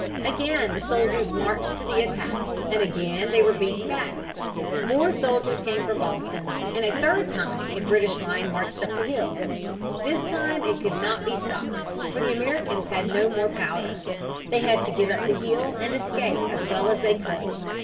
Again the soldiers marched to the attack, and again they were beaten back. More soldiers came from Boston, and a third time a British line marched up the hill. This time it could not be stopped, for the Americans had no more powder. They had to give up the hill and escape as well as they could.